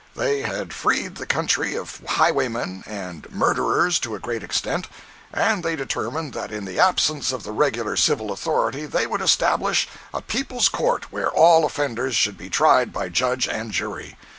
They had freed the country of highwaymen and murderers to a great extent, and they determined that in the absence of the regular civil authority they would establish a People's Court where all offenders should be tried by judge and jury.